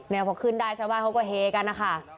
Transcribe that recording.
พอขึ้นได้ชาวบ้านเขาก็เฮกันนะคะ